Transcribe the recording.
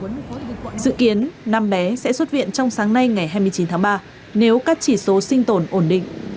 dự kiến năm bé sẽ xuất viện trong sáng nay ngày hai mươi chín tháng ba nếu các chỉ số sinh tồn ổn định